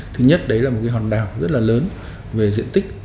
thứ nhất đấy là một hòn đảo rất lớn về diện tích